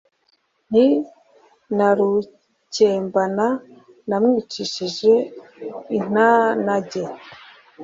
Nti: Na Rukembana namwicishije intanage